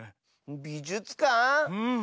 びじゅつかん？